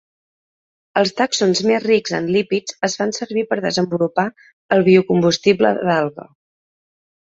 Els tàxons més rics en lípids es fan servir per desenvolupar el biocombustible d'alga.